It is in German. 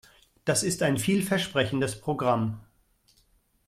Das ist ein vielversprechendes Programm.